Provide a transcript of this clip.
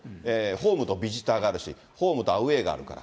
ホームとビジターがあるし、ホームとアウエーがあるから。